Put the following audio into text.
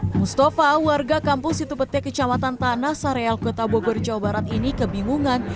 hai mustafa warga kampus itu bete kecamatan tanah sareal kota bogor jawa barat ini kebingungan